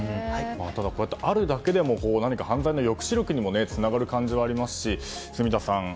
こうやってあるだけでも犯罪の抑止力につながる感じはありますし住田さん。